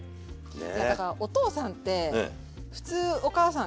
いやだからお父さんって普通お母さんがね